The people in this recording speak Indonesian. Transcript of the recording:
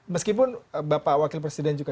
meskipun bapak wakil presiden juga